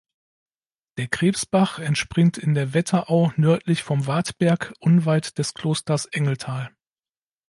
Der "Krebsbach" entspringt in der Wetterau nördlich vom "Wartberg" unweit des Klosters Engelthal.